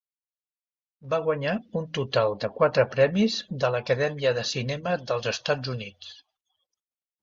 Va guanyar un total de quatre premis de l'Acadèmia de cinema dels Estats Units.